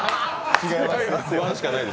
違います。